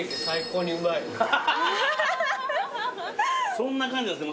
そんな感じなんすね。